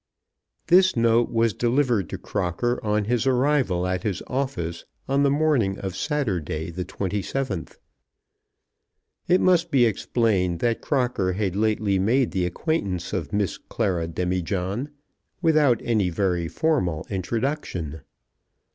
29th December, 18 . This note was delivered to Crocker on his arrival at his office on the morning of Saturday, the 27th. It must be explained that Crocker had lately made the acquaintance of Miss Clara Demijohn without any very formal introduction.